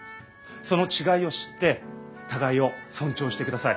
その違いを知って互いを尊重してください。